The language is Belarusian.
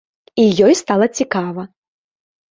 І ёй стала цікава.